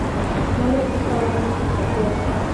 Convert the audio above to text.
No le gusta dar muchos conciertos.